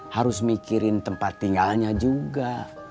harus mikirin tempat tinggalnya juga